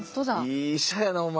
いい医者やなお前。